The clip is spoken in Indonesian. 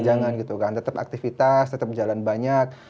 jangan gitu kan tetap aktivitas tetap jalan banyak